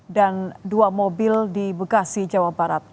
dan dua mobil di bekasi jawa barat